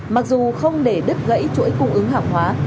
mặc dù không để đứt gãy chuỗi cung ứng hàng hóa